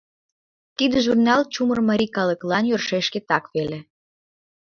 Тиде журнал чумыр марий калыклан йӧршеш шкетак веле.